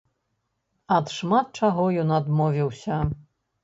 Ад шмат чаго ён адмовіўся.